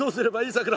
さくら。